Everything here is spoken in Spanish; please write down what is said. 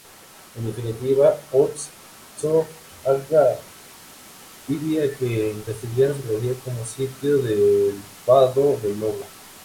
En definitiva, "otso-aga-ibia", que en castellano se traduciría como 'sitio del vado del lobo'.